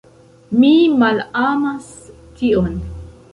Mi malamas tion.